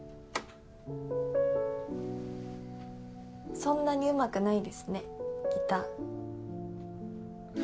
そんなに上手くないですねギター。